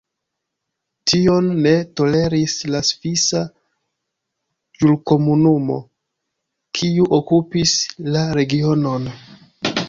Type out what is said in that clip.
Tion ne toleris la Svisa Ĵurkomunumo, kiu okupis la regionon.